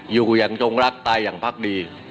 อยู่อย่างจงรักตายอย่างพักดี